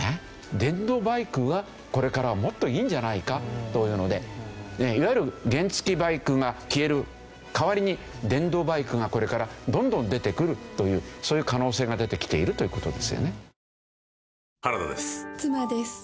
電動バイクがこれからはもっといいんじゃないかというのでいわゆる原付バイクが消える代わりに電動バイクがこれからどんどん出てくるというそういう可能性が出てきているという事ですよね。